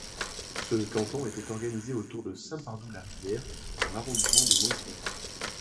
Ce canton était organisé autour de Saint-Pardoux-la-Rivière dans l'arrondissement de Nontron.